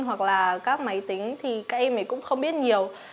hoặc là các máy tính thì các em ấy cũng không biết nhiều